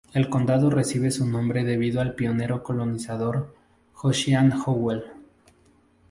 El condado recibe su nombre debido al pionero colonizador Josiah Howell.